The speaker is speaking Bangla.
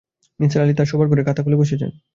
নিসার আলি তাঁর শোবার ঘরে খাতা খুলে বসেছেন।